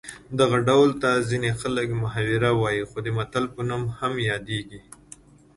دغه ډول ته ځینې خلک محاوره وايي خو د متل په نوم هم یادیږي